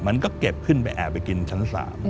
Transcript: มันก็เก็บขึ้นไปแอบไปกินชั้น๓